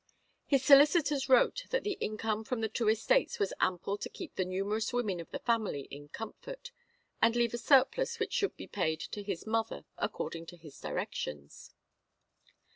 His solicitors wrote that the income from the two estates was ample to keep the numerous women of the family in comfort, and leave a surplus which should be paid to his mother, according to his directions.